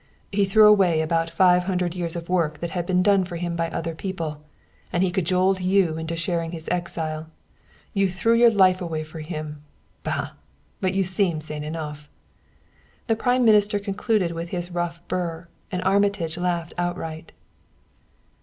He threw away about five hundred years of work that had been done for him by other people and he cajoled you into sharing his exile. You threw away your life for him! Bah! But you seem sane enough!" The prime minister concluded with his rough burr; and Armitage laughed outright.